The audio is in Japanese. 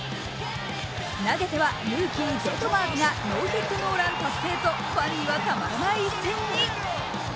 投げてはルーキー・デトマーズがノーヒットノーラン達成とファンにはたまらない一戦に。